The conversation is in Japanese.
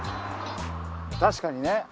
確かにね。